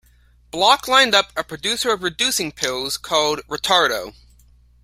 Block lined up a producer of reducing pills called "Retardo".